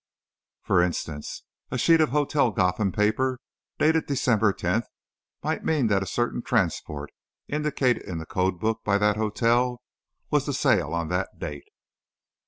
For instance, a sheet of Hotel Gotham paper, dated December tenth, might mean that a certain transport, indicated in the code book by that hotel, was to sail on that date."